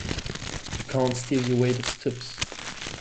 You can't steal your waiters' tips!